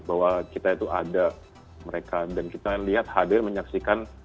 bahwa kita itu ada mereka dan kita lihat hadir menyaksikan